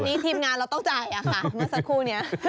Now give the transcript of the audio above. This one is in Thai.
อันนี้ทีมงานเราต้องจ่ายค่ะเมื่อสักครู่นี้